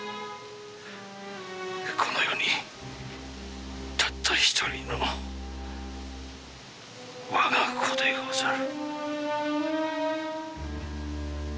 この世にたった一人の我が子でござる。